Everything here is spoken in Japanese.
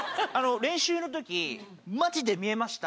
練習のときマジで見えました